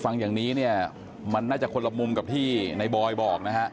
ฟังอย่างนี้เนี่ยมันน่าจะคนละมุมกับที่ในบอยบอกนะฮะ